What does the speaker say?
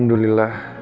sudah lebih baik